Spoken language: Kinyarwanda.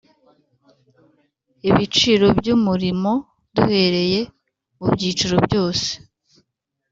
ibiciro by’ umurimo duhereye mu byiciro byose